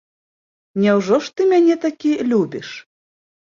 Няўжо ж ты мяне такі любіш?